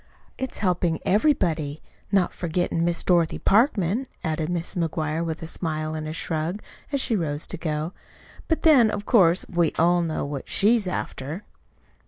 "It's helpin' everybody not forgettin' Miss Dorothy Parkman," added Mrs. McGuire, with a smile and a shrug, as she rose to go. "But, then, of course, we all know what she's after."